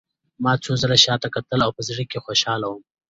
ما څو ځله شا ته کتل او په زړه کې خوشحاله وم